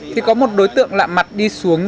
thì có một đối tượng lạ mặt đi xuống